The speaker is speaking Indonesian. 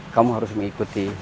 kamu harus mengikuti